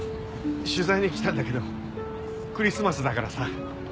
取材に来たんだけどクリスマスだからさ。